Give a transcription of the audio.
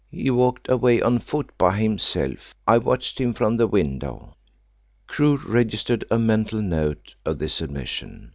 "He walked away on foot by himself. I watched him from the window." Crewe registered a mental note of this admission.